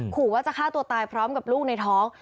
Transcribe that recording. ขู่ว่าจะฆ่าตัวตายพร้อมกับลูกในท้อง